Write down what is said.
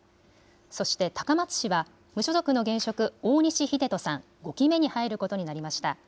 そして高松市は無所属の現職、大西秀人さん、５期目に入ることになりました。